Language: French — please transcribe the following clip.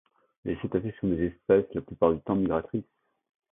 Les cétacés sont des espèces, la plupart du temps, migratrices.